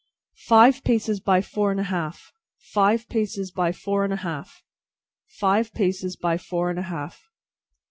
"Five paces by four and a half, five paces by four and a half, five paces by four and a half."